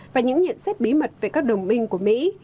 và những nhận xét bí mật về các đồng minh của mỹ